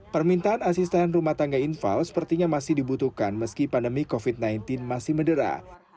permintaan asisten rumah tangga infal sepertinya masih dibutuhkan meski pandemi covid sembilan belas masih medera